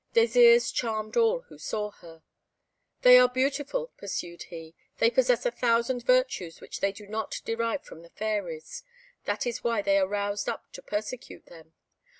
Désirs charmed all who saw her. "They are beautiful," pursued he; "they possess a thousand virtues which they do not derive from the fairies; that is why they are roused up to persecute them.